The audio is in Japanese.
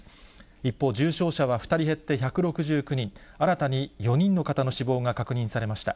一方、重症者は２人減って１６９人、新たに４人の方の死亡が確認されました。